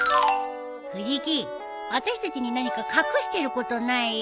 藤木あたしたちに何か隠してることない？